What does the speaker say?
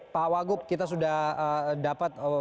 pak wagub kita sudah dapat